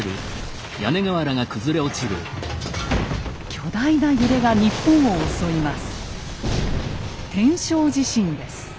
巨大な揺れが日本を襲います。